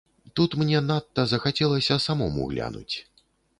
Тут мне надта захацелася самому глянуць.